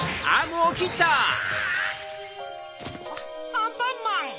アンパンマン！